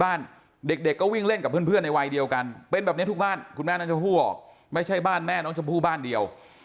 บ้านเด็กก็วิ่งเล่นกับเพื่อนในวัยเดียวกันเป็นแบบนี้